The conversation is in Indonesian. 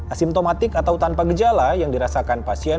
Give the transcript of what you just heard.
asimptomatik atau tanpa gejala yang dirasakan pasien